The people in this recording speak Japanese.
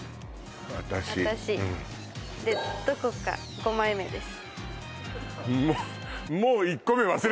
私で「どこか」５枚目です